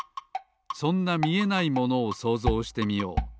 そんなみえないものをそうぞうしてみよう。